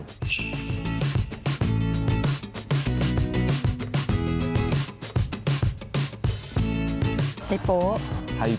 ที่เราบอกว่ามีหลายอย่างไม่ได้มีแต่กะปิอย่างเดียว